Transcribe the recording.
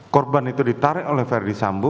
korban itu ditarik oleh verdi sambo